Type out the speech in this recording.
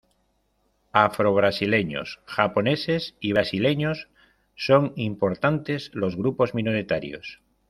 Afro-brasileños, japoneses y brasileños-son importantes los grupos minoritarios.